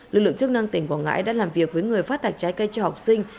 lực lượng chức năng tỉnh quảng ngãi đã làm việc với người phát thạch trái cây cho học sinh